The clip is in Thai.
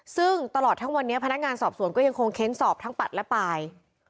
ซึ่งตลอดทั้งวันนี้พนักงานสอบสวนก็ยังคงเค้นสอบทั้งปัดและปลาย